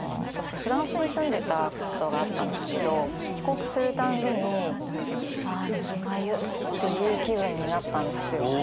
フランスに住んでたことがあったんですけど帰国するたんびにああぬるま湯っていう気分になったんですよ。